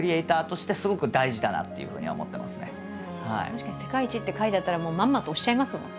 確かに「世界一」って書いてあったらもうまんまと押しちゃいますもん。